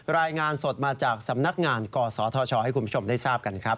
รายงานสดมาจากสำนักงานกศธชให้คุณผู้ชมได้ทราบกันครับ